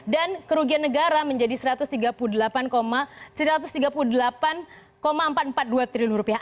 dan kerugian negara menjadi satu ratus tiga puluh delapan empat ratus empat puluh dua triliun rupiah